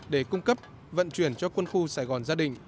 để cung cấp vận chuyển cho quân khu sài gòn gia đình